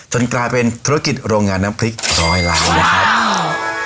กลายเป็นธุรกิจโรงงานน้ำพริกร้อยล้านนะครับอ่า